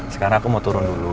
sekarang aku mau turun dulu